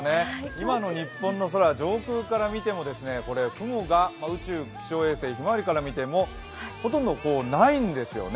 今の日本の空、上空から見ても雲が宇宙気象衛星「ひまわり」から見てもほとんどないんですよね。